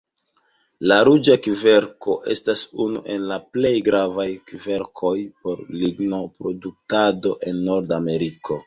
La ruĝa kverko estas unu el la plej gravaj kverkoj por lignoproduktado en Nordameriko.